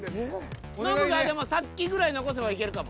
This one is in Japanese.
ノブがでもさっきぐらい残せばいけるかも。